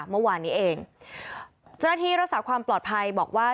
เมื่อวานนี้เองเจ้าหน้าที่รักษาความปลอดภัยบอกว่า